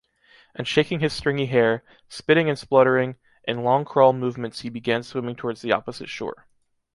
And shaking his stringy hair, spitting and spluttering, in long crawl movements he began swimming towards the opposite shore.